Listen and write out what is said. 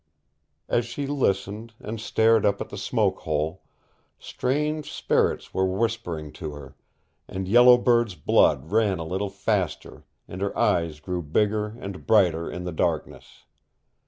As she listened, and stared up at the smoke hole, strange spirits were whispering to her, and Yellow Bird's blood ran a little faster and her eyes grew bigger and brighter in the darkness.